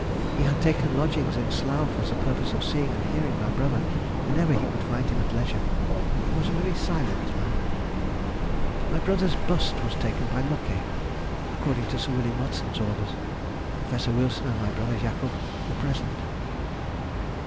He had taken lodgings in Slough for the purpose of seeing and hearing my brother whenever he could find him at leisure; he was a very silent man. My brother's bust was taken by Lochée, according to Sir Wm. Watson's order. Professor Wilson and my brother Jacob were present.